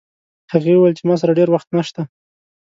هغې وویل چې ما سره ډېر وخت نشته